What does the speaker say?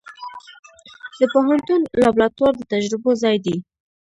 د پوهنتون لابراتوار د تجربو ځای دی.